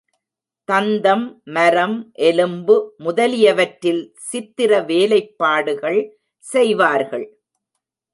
தந்தம், மரம், எலும்பு முதலியவற்றில் சித்திர வேலைப்பாடுகள் செய்வார்கள்.